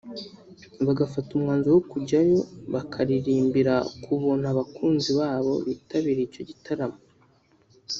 bagafata umwanzuro wo kujyayo bakaririmbira ku buntu abakunzi babo bitabiriye icyo gitaramo